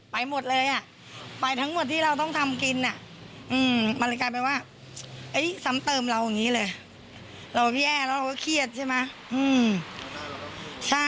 แล้วเราต้องซื้อเองอีกกว่า